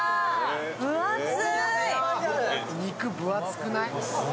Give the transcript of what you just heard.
肉、分厚くない？